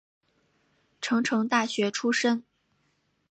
成城大学出身。